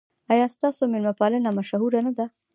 ایا ستاسو میلمه پالنه مشهوره نه ده؟